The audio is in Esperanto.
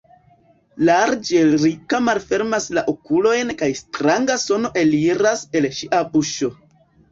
Larĝe Rika malfermas la okulojn kaj stranga sono eliras el ŝia buŝo.